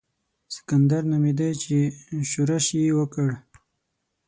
سکندر نومېدی چې ښورښ یې کړ.